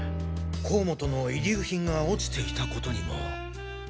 甲本の遺留品が落ちていたことにも。